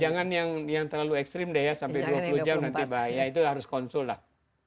jangan yang terlalu ekstrim deh ya sampai dua puluh jam nanti bahaya itu harus konsul lah